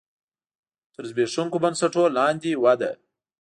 تر زبېښونکو بنسټونو لاندې وده.